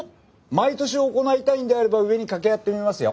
毎年行いたいんであれば上に掛け合ってみますよ。